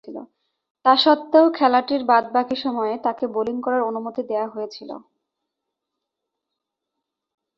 তাসত্ত্বেও, খেলাটির বাদ-বাকি সময়ে তাকে বোলিং করার অনুমতি দেয়া হয়েছিল।